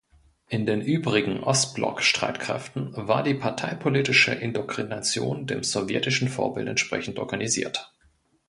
In den übrigen Ostblock-Streitkräften war die parteipolitische Indoktrination dem sowjetischen Vorbild entsprechend organisiert.